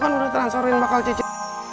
kan udah transferin bakal cici